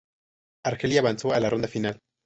Argelia avanzó a la ronda final.